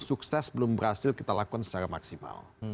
sukses belum berhasil kita lakukan secara maksimal